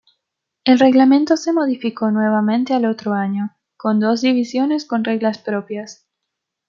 El reglamento se modificó nuevamente al otro año, con dos divisiones con reglas propias.